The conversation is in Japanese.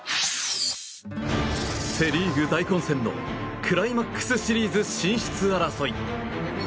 セ・リーグ大混戦のクライマックスシリーズ進出争い。